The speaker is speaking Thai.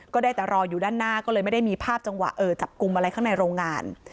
ก็ได้แต่รออยู่ด้านหน้าก็เลยไม่ได้มีภาพจังหวะจับกลุ่มอะไรข้างในโรงงาน